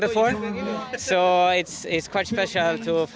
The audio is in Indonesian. jadi ini sangat spesial untuk menang